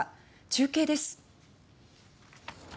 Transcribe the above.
中継です。